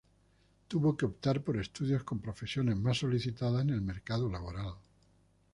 Tuvo que optar por estudios con profesiones más solicitadas en el mercado laboral.